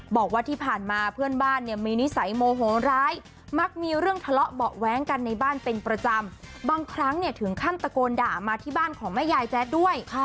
บอกว่าที่ผ่านมาเพื่อนบ้านเนี่ยมีนิสัยโมโหร้ายมักมีเรื่องทะเลาะเบาะแว้งกันในบ้านเป็นประจำบางครั้งเนี่ยถึงขั้นตะโกนด่ามาที่บ้านของแม่ยายแจ๊ดด้วย